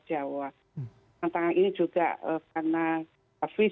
jawa tantangan ini juga karena service